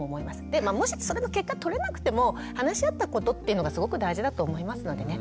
でもしそれの結果取れなくても話し合ったことっていうのがすごく大事だと思いますのでね